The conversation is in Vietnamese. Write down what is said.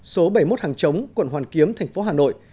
số bảy mươi một hàng chống quận hoàn kiếm tp hà nội